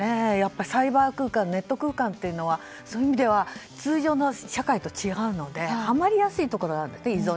サイバー空間というのはそういう意味では通常の世界と違うのではまりやすいところがある。